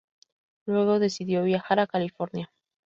Luego decidió viajar a California.